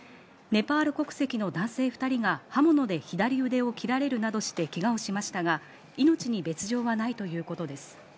ネパール国籍の男性２人が刃物で左腕を切られるなどしてけがをしましたが、命に別状はないということです。